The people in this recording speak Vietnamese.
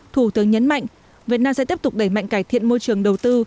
thủ tướng nhấn mạnh việt nam sẽ tiếp tục đẩy mạnh cải thiện môi trường đầu tư